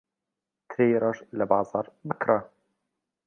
ترێی ڕەش لە بازاڕ بکڕە.